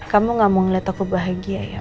kamu gak mau ngeliat aku bahagia ya